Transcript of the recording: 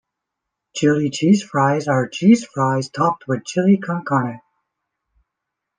Chili cheese fries are cheese fries topped with Chili con carne.